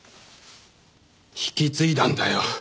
引き継いだんだよ。